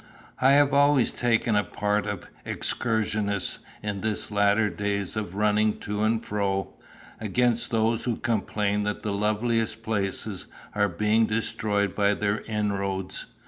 I have always taken the part of excursionists in these latter days of running to and fro, against those who complain that the loveliest places are being destroyed by their inroads.